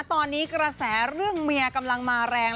ตอนนี้กระแสเรื่องเมียกำลังมาแรง